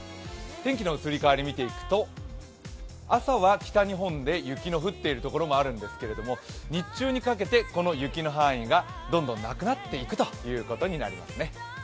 天気の移り変わり見ていくと朝は北日本の雪の降っている所もあるんですが日中にかけてこの雪の範囲がどんどんなくなっているということになりますね。